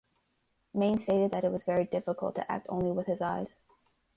Mane stated that it was very difficult to act only with his eyes.